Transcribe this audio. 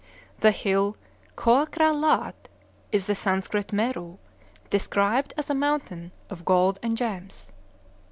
The hill, Khoa Kra Lâât, is the Sanskrit Meru, described as a mountain of gold and gems.